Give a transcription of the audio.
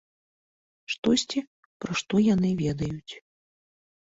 Штосьці, пра што яны ведаюць.